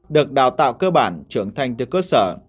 được đào tạo cơ bản trưởng thành từ cơ sở